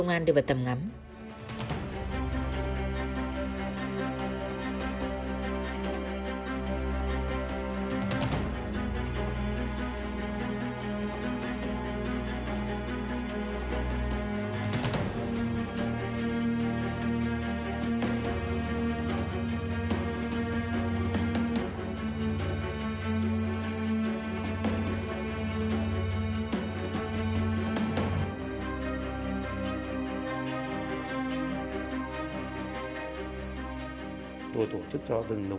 mà nhiều khả năng